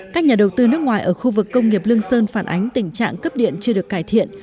các nhà đầu tư nước ngoài ở khu vực công nghiệp lương sơn phản ánh tình trạng cấp điện chưa được cải thiện